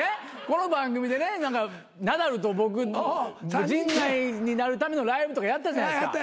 この番組でねナダルと僕『陣内になるためのライブ』とかやったじゃないですか。